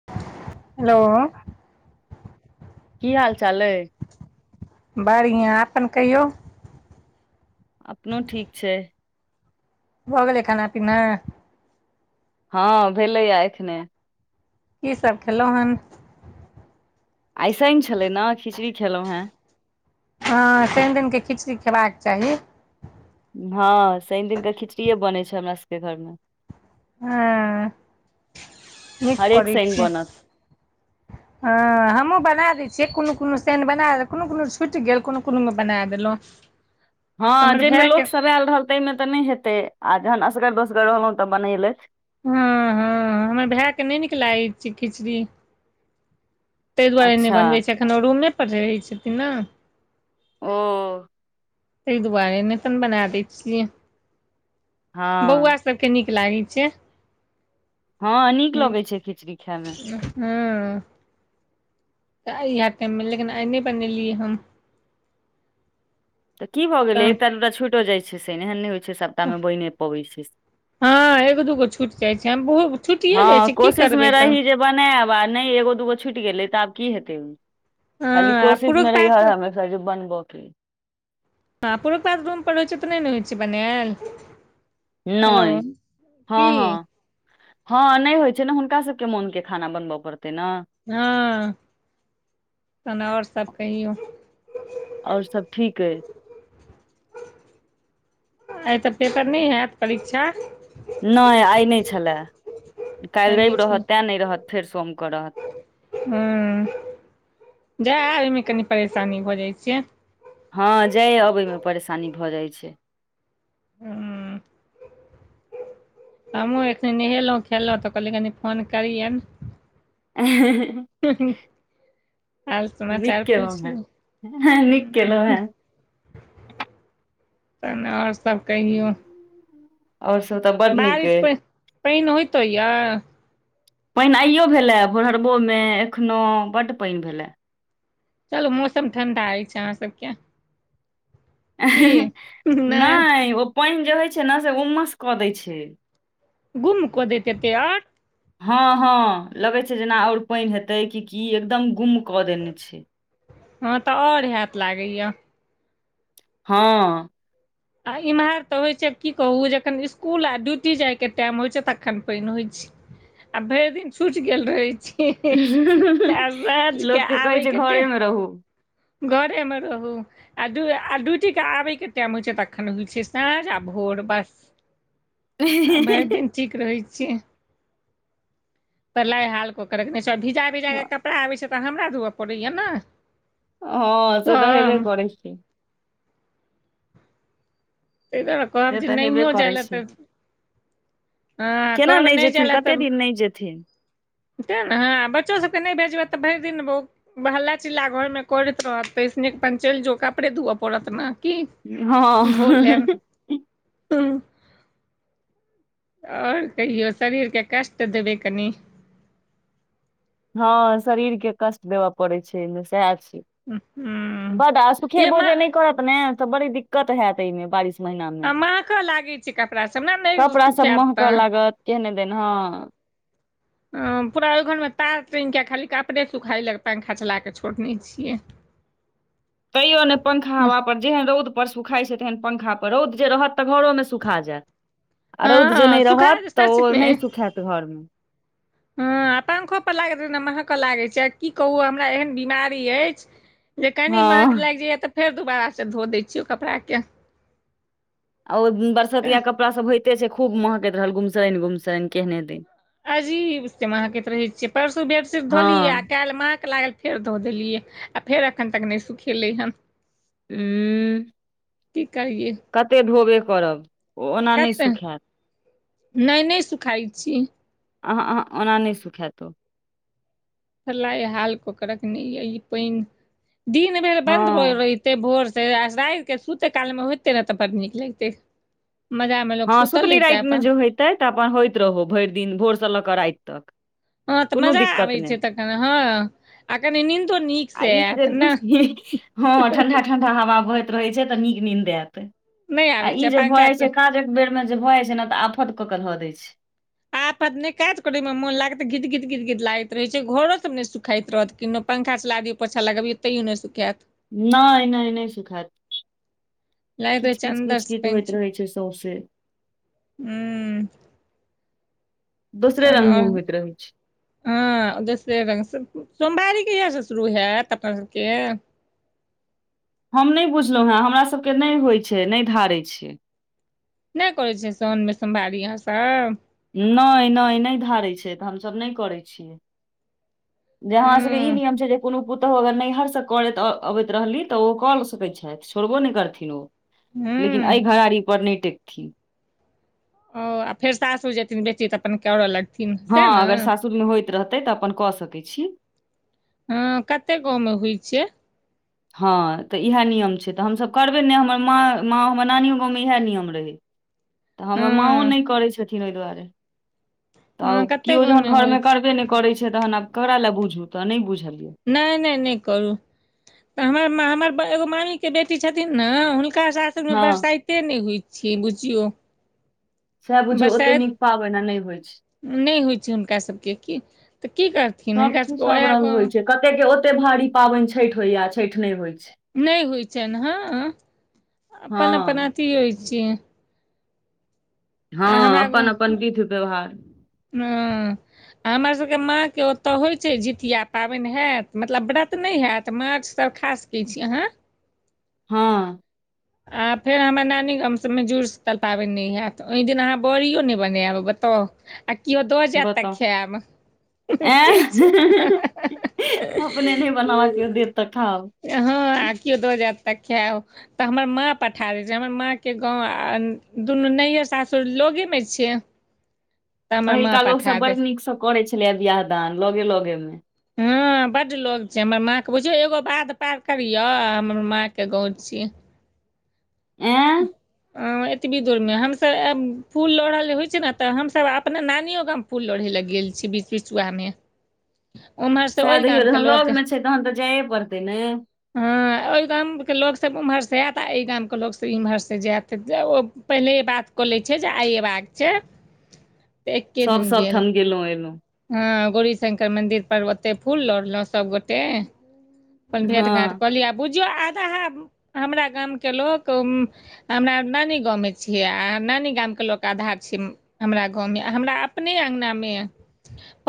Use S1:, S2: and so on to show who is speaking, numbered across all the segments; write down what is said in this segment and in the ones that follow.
S1: [unintelligible] Hello
S2: की हाल चाल आए
S1: बढ़िया अपन कहियौ?
S2: अपनो ठीक छै।
S1: भऽ गेलै खाना पीना?
S2: हँ, भेलैया एखने।
S1: कि सभ खेलौं हन।
S2: आय शनि छलै ने खिचड़ी खेलहुँ हैं।
S1: हँ, शनि दिनके खिचड़ी खेबाक चाही।
S2: हँ, शनि दिनके खिचड़ीए बनैत छै, हमरा सभके घरमे
S1: हँ, निक
S2: हरेक
S1: करै
S2: शनि
S1: छियै। हँ,
S2: बनत
S1: हमहूँ बना दै छियै, कोनो कोनो सैन बना देलहुँ कोनो कोनो छुटि गेल कोनो कोनोमे बना देलहुँ। [inaudible]
S2: हँ,
S1: हमर
S2: जाहिमे
S1: भायके
S2: लोकसभ आयल रहल ताहिमे तऽ नहि हेतै आ जखन असगर दोसगर रहलहुँ तऽ बनेलै।
S1: हँ, हँ, हमर भैयके नहि निक लागैत छै, खिचड़ी। ताहि दुआरे नहि
S2: अच्छा
S1: बनबैत छै, एखन ओ रूमे पर रहैत छथिन ने।
S2: ओ।
S1: ताहि दुआरे नै तहन बना दै छियै,
S2: हँ
S1: बौआ। सभके निक लागै छै।
S2: हँं, निक लगैत छै, खिचड़ी खायमे।
S1: हँ। इएह टाइममे, लेकिन आइने बनेलियै हम।
S2: तऽ की भऽ गेलै
S1: तऽ
S2: एकटा दूटा छुटो जाइत छै, से एहन नहि होइ छै, सप्ताहमे बनि पबैत छै।
S1: हँ, एक दूगो छुटि जाइ छै, हम छुटि जाइ छै कि करबै तऽ।
S2: बनैब आ नहि एगो दूगो छुट गेले तऽ आब कि हेतै
S1: हँ
S2: खाली
S1: आ पुरुख
S2: कोशिशमे रहि।
S1: पात
S2: कहे छै बनकेँ [unintelligible]
S1: आ, पुरुखा पट होइ छै, तऽ नहि ने होइ छै बनायल। हेलो
S2: नहि,
S1: की
S2: हँ, हँ। हँ, नहि होइ छै, ने हुनका सभके मोन‌के खाना बनबय पड़तै ने।
S1: हँ, तहन आओर सभ कहियो?
S2: आओर सभ ठीक आइ।
S1: एतऽ तऽ पेपर नहि होयत परीक्षा।
S2: नहि आइ नहि छलै, काल्हि
S1: एने
S2: रवि
S1: छै
S2: रहतैं नहि रहत फेर सोमके रहत।
S1: हूँ, जै आबे मे कनि परेशानी भऽ जाइ छियै।
S2: हँ, जाइ अबैमे परेशानी भऽ जाइत छै।
S1: ह। हमहूँ एखन नहेलहुँ खेलहुँ तऽ कहलियै कनि फोन करियन।
S2: आ।
S1: हू, हू। हाल
S2: नीक
S1: समाचार
S2: केलहुँ हेँ
S1: पुछलू।
S2: नीक केलहुँ हेँ
S1: तहन आओर सभ कहियो।
S2: आओर सभ त।
S1: बारिष पर पाइन होइतो यए।
S2: पाइन आइयो भेलयै भोरहरबोमे एखनो बड्ड पाइन भेलए।
S1: चलू मौसम ठंडा अछि अहाँ सभके
S2: नहि ओ पाइन जे होइ छै, ने से उमस कऽ दै छै।
S1: गुम कऽ दतेएते और।
S2: हँ हँ लगै छै जेना आओर पानि हेतै कि की एकदम गुम कऽ देने छै
S1: हँ तऽ आओर हेत लागैय
S2: हँ
S1: आ इम्हर तऽ होइत छै की कहू जखन स्कूल आ ड्यूटी जायके टाइम होइत छै तखन पानि होइत छै आ भरि दिन छूटि गेल रहै छै आ साझ के
S2: लोकके कहै
S1: आबै
S2: छै
S1: के टाइम
S2: घरेमे रहू
S1: घरेमे रहू आ ड्यूटी के आबैके टाइम होइ छै तखन होइ छै साँझ आ भोर बस आ भरि दिन ठीक रहै छै परलाइ हाल क‌ऽ के रखने छै आ भिजा भिजा के कत कपड़ा आबै छै तऽ हमरा धुअ पड़ैया ने
S2: हँ से तऽ हेबे करै छै
S1: ताहि दुआरे कहब
S2: से
S1: जे
S2: तऽ हेबे
S1: नहिओ जाय
S2: करै
S1: लै
S2: छै
S1: तऽ हँ आ
S2: केना
S1: कहबै नहि
S2: जेथिन
S1: जाय लै
S2: कते
S1: तब
S2: दिन नहि जेथिन
S1: तैँ ने हँ आ बच्चो सभके नहि भेजबै तऽ भरि दिन हल्ला चिल्ला घर मे करैत रहत तै सँ नीक अपन चलि जो कपड़े धोअ पड़त ने की
S2: हँ
S1: धो लेब आओर कहियौ शरीरके कष्ट देबै कनी
S2: हँ शरीर के कष्ट देबऽ पड़े छै ऐमे सएह छै
S1: हूँ
S2: बड्ड आ
S1: ये
S2: सुखेवो
S1: माँ
S2: जे नहि करत ने तऽ बड़ी दिक्कत होयत एहिमे बारिश महिनामे
S1: महकऽ लागै छै कपड़ा सब ने नहि
S2: कपड़ा सब
S1: सुखायत
S2: महकऽ
S1: तऽ
S2: लागत केहने दैन हँ
S1: [inaudible] हँ पूरा ओइ घर मे तार टांगि के आ खाली कपड़े सुखाय लै पंखा चला के छोड़ने छियै
S2: तैयो नहि पंखा हवा पर जेहन रौदपर सुखाइ छै तेहन पंखापर रौद जे रहत तऽ घरोमे सुखा जैत आ रौद जे
S1: हँ
S2: नहि
S1: सुखा
S2: रहत
S1: जाइ छै
S2: तऽ ओ
S1: सचमे
S2: नहि सुखैत घरमे
S1: हँ आ आ पंखो पर लागैत रहै ने महकऽ लागै छै आ की कहू हमरा एहन बीमारी अछि जे कनि महक
S2: हँ
S1: लागि जाइए तऽ फेर दोबारासँ धो दै छियै ओइ कपड़ाके
S2: आ ओ बरसतिया कपड़ासभ होइते छै खूब महकैत रहल घुमसैन गुमसैन केहने दिन
S1: अजीब से महकैत रहै छियै परसू बेडशीट
S2: हँ
S1: धोलियै आ काल्हि महक लागल फेर धो देलियै आ फेर एखन तक नहि सुखेलै हन
S2: उंम्म
S1: की कहिए
S2: कते ढोबे करब ओ ओना नहि
S1: कते
S2: सुखायत
S1: नहि नहि सुखाइ छी
S2: अहं अहं ओना नहि सुखायैत ओ
S1: सलाइ हाल कोकरक नै ये ई पानि दिन बेर
S2: हँ
S1: बंन्द भऽ गेल रहैत ते‌ भोर से आ राति के सुते काल मे होइतै ने तऽ बड़ नीक लगते मजामे लोक सुतल रहितै अपन
S2: तेँ तऽ अपन होइत रहौ भरि दिन भोरसँ लऽ कऽ राति तक
S1: हँ तऽ
S2: कोनो
S1: मजा
S2: दिक्कत
S1: आबै
S2: नहि
S1: छै तखन हँ आ कनी निंदो नीक
S2: आ
S1: से
S2: ई जे
S1: आयत नह
S2: बेसी हँ ठंडा ठंडा हवा बहैत रहै छै तऽ नीक निंद आयत
S1: नहि
S2: आ
S1: आबै
S2: इ
S1: छै
S2: जे
S1: पंखा
S2: भऽ
S1: से
S2: जाइ छै काजक बेर मे जे भऽ जाइ छै ने तऽ आफत कऽ के धऽ दय छै
S1: आपत नहि काज करे मे मोन लागत त गीत गीत गीत गीत लागैत रहे छै घरो सब ने सुखाइत रहत कि पंखा चला दियौ पोछा लगबियौ तैयो नहि सुखात
S2: नहि नहि नहि सुखात।
S1: लागैत
S2: किच
S1: रहै छै
S2: किच किच
S1: अन्दर से
S2: किच
S1: पानि
S2: होइत
S1: छू
S2: रहे छै सौंसे
S1: हूँ
S2: दोसरे रग मुह होयत रहै छै
S1: ह दोसरे रंग से सोमवारी कहिया से शुरू होयत अपना सबके
S2: हम नहि बुझलहुॅँ है हमरा सबके नहि होइत छै नहि धढारै छियै
S1: नहि करैत छियै सोनमे सोमवारी अहाँ सब।
S2: नहि नहि नहि धारैत छै तऽ हम सभ नहि करै छियै जे अहाँ सबके ई
S1: हूँ
S2: नियम छै जे [unintelligible] कोनो प पुतहु अगर नैहरसँ करैत अबैत रहली तऽ ओ कऽ सकैत छथि छोड़बो नहि करथिन ओ
S1: हूँ
S2: लेकिन ए घरारी पर नहि टेकथिन
S1: ओ फेर सासु जेथिन बेटी तऽ अपन कर लगथिन
S2: हँ
S1: सएह ने
S2: अगर सासुरमे होइत रहतै तऽ अपन कऽ सकैत छी।
S1: हँ कते गाँवमे हुइ छियै
S2: हँ तऽ इहा नियम छै तऽ हमसभ करबै ने हमर माँ माँ हमर नानिओ गाँवमे इहा नियम रहै हमर माँओ
S1: हँ
S2: नहि करै छथिन ओहि दुआरे तऽ
S1: हँ कतेक
S2: केओ जहन
S1: गाँवमे होइ
S2: घरमे
S1: छै
S2: करबे नहि करैत छै तहन आब ककरा लए बुझू तऽ नहि बुझ
S1: नहि नहि नहि करू तऽ हमर हमर एगो मामी के बेटी छथिन ने हुनका [unintelligible]
S2: हँ,
S1: बरसाइते नहि होइ छै बुझियौ
S2: सएह बुझू ओते
S1: बरसाइत
S2: नीक पाबन आ नहि होइ छै
S1: नहि होइत छै हुनका सभके की तऽ की करथिन
S2: सभ चीज
S1: हुनकाभके
S2: सभ
S1: उहा
S2: रंग
S1: गाँ
S2: होइ छै कते के ओते भारी पाबन छठि होइया छठि नहि होइ छै
S1: नहि होइत छनि हँ अपन अपन
S2: हँ,
S1: अथि होइत छियै
S2: हँ
S1: हमरा
S2: अपन
S1: गाँव
S2: अपन विध व्यवहार।
S1: हँ हमरा सबके माँके ओतऽ होइत छै जितिया पाबनि होयत मतलब व्रत नहि होयत माछसभ खास ठीक छी अहाँ
S2: हँ
S1: आ फेर हमर नानी गाम हमसभमे जुड़ शीतल पाबनि नहि हैत ओहिदिन अहाँ बड़िओ नहि बनायब बताउ केओ दऽ जायत तक
S2: बताउ
S1: खायब छै
S2: एं
S1: ह [unintelligible]
S2: अपने नहि बनाबऽ कियो देत तऽ खाउ।
S1: हँ आ कियो दो जात तक खेब हमर माँ पठा दैत छै हमर माँके गाँव आ दुनू नैहर सासुर लगेमे छियै [inaudible] माँ
S2: पहिलका लोक सब
S1: पठा
S2: बड़
S1: दै
S2: नीकसँ करे छलैए बियाह दान लेगे लेगे मे
S1: हँ बड लोग छै हमर माँ के बुझिय एगो बाध पार करिय हमर माँ के गाँव छीयै।
S2: एँ
S1: ह [inaudible] एतबी दूरमे हम सभ फूल लोड़ल जे होइ छै ने तऽ हमसभ अपना नानियो गाम फूल लोढ़े ल गेल छी बीच बीच चुआ मे
S2: सएह देखियौ जखन लगमे छै, तहन तऽ जाइए पड़तै ने।
S1: ह, ओहि गामके लोग सभ उम्हर से आयत आ ई गामके लोग सभ इम्हरसँ जायत ओ पहिले बात कऽ लै छै जे आइ अयबाक छै। तऽ एक्के
S2: सभ
S1: दिन
S2: सभ
S1: गेल
S2: ठाम गेलहुँ एलहुँ।
S1: हँ, गौरी शंकर मंदिर पर ओते फूल लोड़लहुं सभगोटे। अपन भेट घाट
S2: हँ
S1: कऽ लिय आ बुझियौ आधा हमरा गामके लोक। हमरा नानी गावमे छियै आ नानी गामके लोक आधा छै। हमरा गावमे हमरा अपने आंगनामे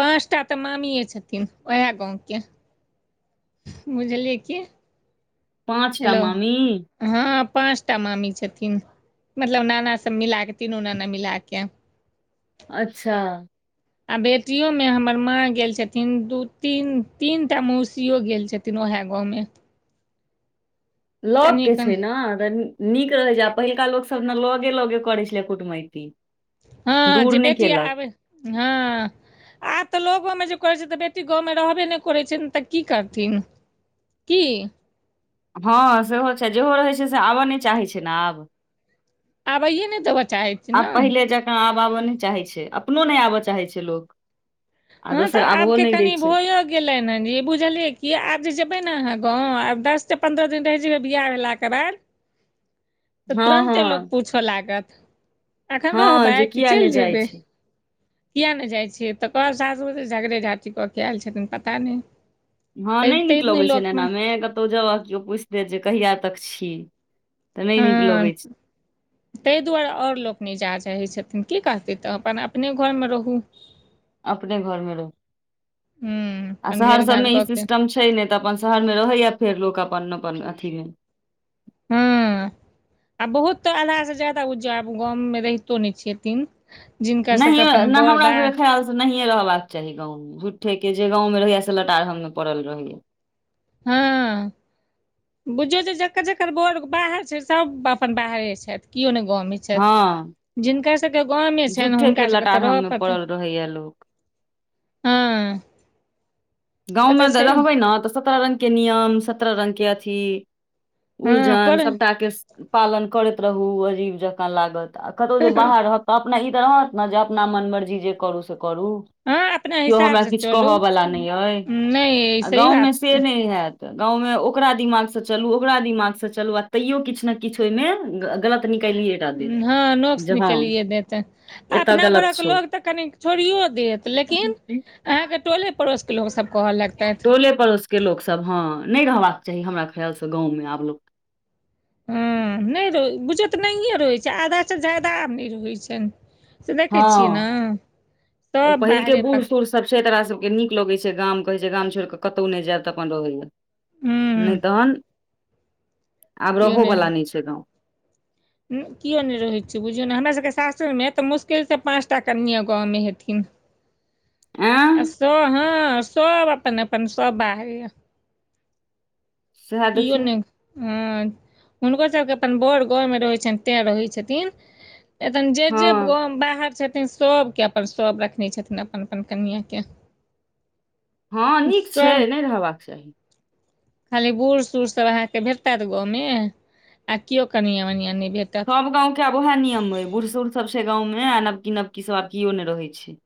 S1: पाँचटा तऽ मामिए छथिन उहै गावके बुझलि कि?
S2: पाँचटा मामी?
S1: हँ, पाँचटा मामी छथिन मतलब नाना सभ मिलाके तीनू नाना मिलाके।
S2: अच्छा।
S1: आ बेटियोमे हमर माँ गेल छथिन दू तीन तीनटा मौसियो गेल छथिन तीनो अहाँ गावमे।
S2: लग मके
S1: कनि
S2: छै ने निक रहै छै, पहिलका लोक सभने लगे लगे करै छलै कुटमैती।
S1: हँ,
S2: दूर
S1: जे
S2: नहि
S1: बेटी
S2: केलक
S1: आबै, हँ। आ तऽ लोगोमे जे करैत छै, तऽ बेटी गावमे रहबे नहि करै छै, ने तऽ की करथिन। कि?
S2: हँ, सेहो छै, जेहो रहैत छै से आबय नहि चाहै छै ने आब।
S1: आबैयए नहि देबऽ चाहै छै
S2: आब
S1: न।
S2: पहिले जकाँ आब आबऽ नहि चाहै छै, अपनो नहि आबऽ चाहै छै लोक। आ दोसर आबहो नहि दै छै।
S1: गेले हन जे बुझलिये की आब जेबे ने अहाँ गाव आब दस से पंन्द्रह दिन रहि जेयबे बियाह भेलाके बाद तऽ
S2: हँ
S1: तुरन्ते लोक
S2: हँ
S1: पूछऽ लागत एखन
S2: हँ
S1: रहबै
S2: जे
S1: कि
S2: किया नहि
S1: चलि
S2: जाइ
S1: जेबै।
S2: छै
S1: किया नहि जाइ छियै, तऽ कहैत सासुर झगड़े झाँटी कऽ के आयल छथिन पता नहि।
S2: हँ,
S1: तैं
S2: नहि निक
S1: तैं
S2: लगैत छै,
S1: लोक
S2: ने
S1: अपन
S2: एनामे क कतऽ जाउ, केओ पूछि देत जे कहिया तक छी, तऽ नहि नीक
S1: हँ
S2: लगैत छै।
S1: ताहि दुआरे आओर लोक नहि जाय चाहैतम छथिन की कहतै तऽ अपन अपने घरमे रहू। [inaudible]
S2: अपने घरमे रह आ
S1: अपन भेड़
S2: शहर
S1: घाट
S2: सभमे ई
S1: कऽ के
S2: सिस्टम छै। छै, नहि तऽ अपन शहरमे रहैया फेर लोक अपन अपन अथीमे।
S1: हँ आ बहुत आधासँ ज्यादा उजब गाममे रहितो नहि छथिन। जिनकर सबके
S2: नहि
S1: अपन बर
S2: हमरा
S1: बाह
S2: सभ खयाल। नहिये रहबाकऽ चाहि गावमे झुट्ठेके जे गावमे रहैया से लटार हम मे पड़ल रहैया।
S1: हँ। बुझौ, जे जाकर जाकर बोर बाहर छै, सभ अपन बाहरे छथि केओ ने गावमे। छै
S2: हँ
S1: जिनका सभके गामे छै, ने
S2: झूठे
S1: हुनका
S2: के
S1: सभके तऽ
S2: लटारहम
S1: रहऽ
S2: मे
S1: परतेन
S2: पड़ल रहैया लोक
S1: हँ। से
S2: गावमे तऽ
S1: छै
S2: रहबै ने तऽ सत्रह रंगके नियम सत्रह रंगके अथी
S1: हँ कर
S2: उलझन सभटा मके पालन करैत रहू अजीब जकाँ लागत। आ कतहु जे बाहर रहत तऽ अपना ई तऽ रहत ने जे अपना मन मर्जी जे करू से करू।
S1: हँ अपना
S2: कियो हमरा
S1: हिसाबसँ
S2: किछ
S1: चलू
S2: कहवला नहि अइ
S1: नहि
S2: आ
S1: सही
S2: गावमे
S1: बात
S2: से
S1: छै
S2: नहि। नै हैत गावमे ओकरा दिमागसे चलू ओकरा दिमाग मसे चलू आ तैयो किछु ने। किछु ओहिमे गलत निकलिये
S1: हँ नोक्स निकालिये देतै।
S2: एतय
S1: अपना
S2: गलत
S1: घरक
S2: छौ
S1: लोक तऽ कनि छोड़ियो देत लेकिन अहाँके टोले पड़ोसके लोक सब कहऽ लगतैथ।
S2: टोले पड़ोसके लोक सब हँ नहि रहबाक चाही हमरा खयालसँ गाँवमे आब लोक
S1: हँ नहि रह बुझियौ तऽ नहिए रहैत छैय आधासँ ज्यादा आब नहि रहैत छनि। से देखै छियै
S2: हँ
S1: ने
S2: ओ
S1: सब
S2: पहिलके
S1: बाहरे
S2: बूढ़
S1: पक
S2: सूढ़ सब [unintelligible] सबके के नीक लगै छैय गाम कहे छैय गाम छोड़ क कतौ नहि जायब तऽ अपन रहैया। नहि
S1: हूँ
S2: तहन आब रहो वला नहि छैय गांव।
S1: किया नहि रहैत छैय बुझियौ ने हमरा सबके सासुर मे तऽ मुश्किलसँ पाँच टा कनिया गाँवमे हेथिन।
S2: आँ
S1: आ सब हँ सब अपन अपन सब बाहरे।
S2: सएह
S1: किओ
S2: देखियौ
S1: नहि हँ हुनकोसभके अपन बड़ गाँवमे रहै छनि तैँ रहै छथिन। नहि तन जे जे
S2: हँ
S1: गाँव बाहर छथिन सबके अपन सब रखने छथिन अपन अपन कनियाके।
S2: हँ नीक छैय नहि रहबाक चाही।
S1: खाली बूढ़ सूढ़ सब अहाँके भेटता गाँवमें आ केव कनिया वनिया नहि भेटता।
S2: [unintelligible] गांव के आब उएह नियम अय बूढ़ सूढ़ सब छैय गांव मे आ नवकी नवकी सब आब केयो ने रहै छैय।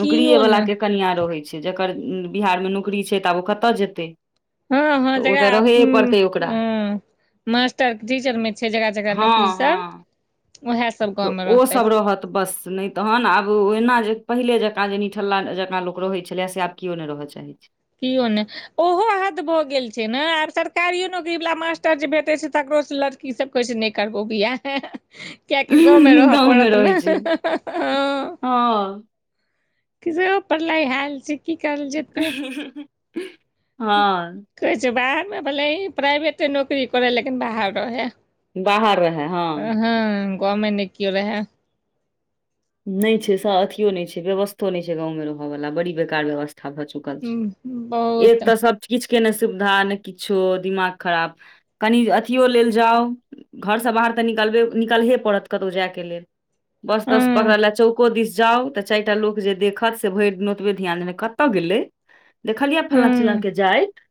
S2: नौकरिए
S1: किओ नहि
S2: वलाके कनिआँ रहै छैय जकर बिहारमे नौकरी छैय तऽ आब ओ कतय जेतै।
S1: हँ हँ
S2: तऽ ओ तऽ रहैए पड़तै ओकरा
S1: जेकरा मास्टर टीचर मे छैय जेकरा जेकरा
S2: हँ
S1: नौकरी सब
S2: हँ
S1: उएहे
S2: तऽ ओ सभ रहत बस नहि तहन आब ओहिना जे पहिले जकाँ जे निठल्ला जकाँ लोक रहै छलैए से आब केओ नहि रहय चाहै छैय।
S1: केओ नहि ओहो हद भऽ गेल छैय ने आ सरकारियो नौकरी वाला मास्टर जे भेटै छैय तकरोसँ ई सब कहै छैय नहि करबौ बियाह [unintelligible]
S2: छै
S1: कियाकि गांवमे रह
S2: गाँवमे
S1: परत
S2: रहै
S1: ने।
S2: छै हँ
S1: [unintelligible] हाल छैय की कयल जेतै।
S2: हँ
S1: कहै छैय बाहरमे भले प्राइवेटे नौकरी करै हइ लेकिन बाहर रहे।
S2: बाहर रहै
S1: अ हँ गाउमे नहि केउ रहै।
S2: नहि छैय स अथियो नहि छैय व्यवस्थो नहि छैय गाँव मे रहय वला बड़ी बेकार व्यवस्था भए चुक कल छैय एक
S1: बहुत
S2: तऽ सब चीज के ने सुविधा ने किछो दिमाग खराब कनि अथियो लेल जाउ घरसँ बाहर तऽ निकलबे निकलहे पड़त कतहु जायके लेल। बस
S1: हँ
S2: दस पकड़ ल चौ को दिस जाउ तऽ चारि टा लोक जे देखत से भरि दिन ओतबे ध्यान देने कतऽ गेलै? देखलियै फल्ला
S1: हँ
S2: चिल्लाँ के जाइत।